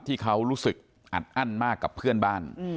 ที่เขารู้สึกอัดอั้นมากกับเพื่อนบ้าน